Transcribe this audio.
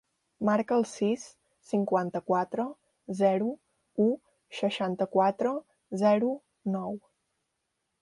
Marca el sis, cinquanta-quatre, zero, u, seixanta-quatre, zero, nou.